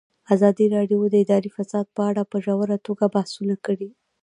ازادي راډیو د اداري فساد په اړه په ژوره توګه بحثونه کړي.